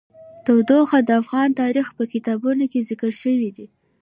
تودوخه د افغان تاریخ په کتابونو کې ذکر شوی دي.